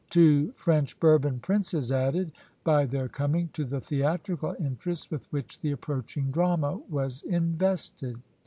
Two French Bourbon princes added, by their coming, to the theatrical interest with which the approaching drama was invested.